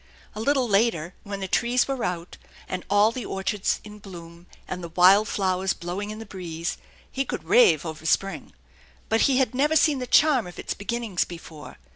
A little later when the trees were out, and all the orchards in bloom, and the wild flowers blowing in the breeze, he could rave over spring; but he had never seen the charm of its beginnings before.